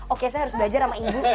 oke saya harus belajar sama inggris